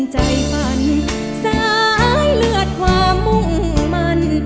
ใจฝันสายเลือดความมุ่งมัน